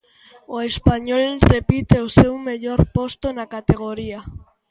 O español repite o seu mellor posto na categoría.